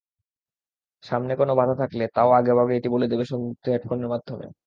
সামনে কোনো বাধা থাকলে তা-ও আগেভাগে এটি বলে দেবে সংযুক্ত হেডফোনের মাধ্যমে।